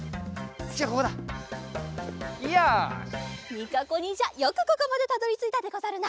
みかこにんじゃよくここまでたどりついたでござるな！